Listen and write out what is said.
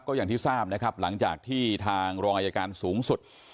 ก็อย่างที่ทราบนะครับหลังจากที่ทางรองอายการสูงสุด